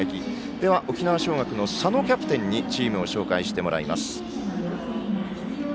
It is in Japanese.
では沖縄尚学の佐野キャプテンにチームを紹介してもらいます。